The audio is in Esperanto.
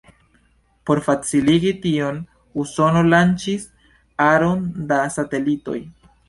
Por faciligi tion, Usono lanĉis aron da satelitoj.